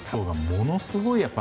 ものすごい